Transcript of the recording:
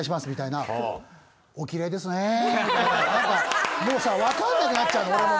なんかもうさわかんなくなっちゃうの俺も。